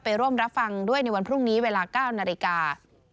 ร่วมรับฟังด้วยในวันพรุ่งนี้เวลา๙นาฬิกา